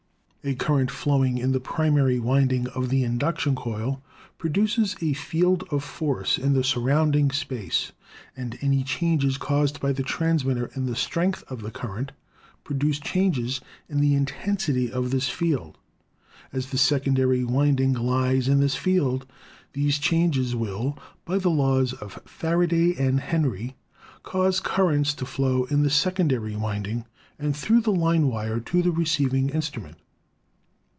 A current flowing in the primary winding of the induction coil produces a field of force in the surrounding space, and any changes caused by the transmitter in the strength of the current produce changes in the intensity of this Fig. 41 — Transmitter With Induction Coil. (From Miller's American Telephone Practice.) field. As the secondary winding lies in this field, these changes will, by the laws of Faraday and Henry, cause currents to flow in the secondary winding and through the line wire to the receiving instrument.